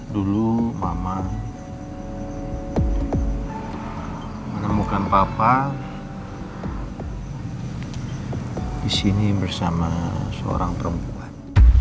dulu mama menemukan papa disini bersama seorang perempuan